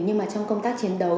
nhưng mà trong công tác chiến đấu